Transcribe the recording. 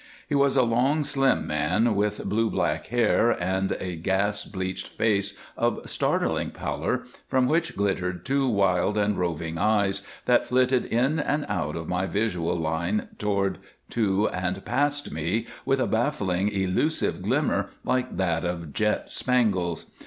He was a long, slim man, with blue black hair and a gas bleached face of startling pallor from which glittered two wild and roving eyes that flitted in and out of my visual line toward, to, and past me with a baffling elusive glimmer like that of jet spangles.